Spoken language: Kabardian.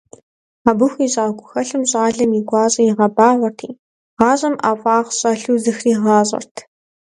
Абы хуищӏа гухэлъым щӏалэм и гуащӏэр игъэбагъуэрти, гъащӏэм ӏэфӏагъ щӏэлъу зыхригъащӏэрт.